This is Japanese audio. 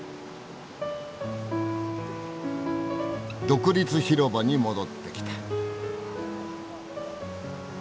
独立広場に戻ってきた。